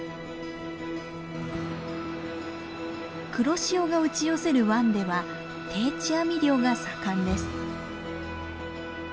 黒潮が打ち寄せる湾では定置網漁が盛んです。